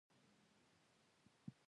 زه د کور کار لیکم.